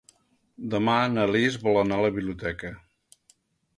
Demà na Lis vol anar a la biblioteca.